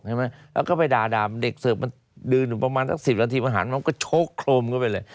แล้วก็ไปด่าเด็กเสิร์ฟมันยืนอยู่ประมาณสัก๑๐นาทีมันหันมามันก็โชคโครมเข้าไปเลย